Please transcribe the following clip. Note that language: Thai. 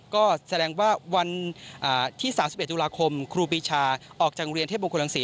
ก็แสดงว่าวันที่๓๑ตุลาคมครูปีชาออกจากโรงเรียนเทพมงคลรังศรี